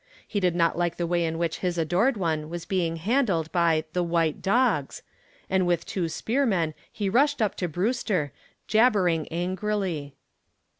He did not like the way in which his adored one was being handled by the "white dogs," and with two spearmen he rushed up to Brewster, jabbering angrily.